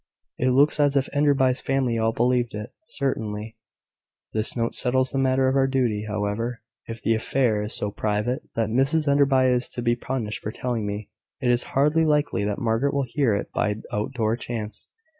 "It looks as if Enderby's family all believed it, certainly. This note settles the matter of our duty, however. If the affair is so private that Mrs Enderby is to be punished for telling me, it is hardly likely that Margaret will hear it by out door chance.